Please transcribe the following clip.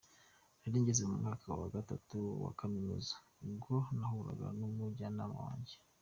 Nari ngeze mu mwaka wa Gatatu wa kaminuza ubwo nahuraga n’umujyanama wanjye.